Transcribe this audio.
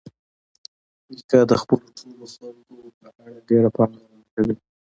نیکه د خپلو ټولو خلکو په اړه ډېره پاملرنه کوي.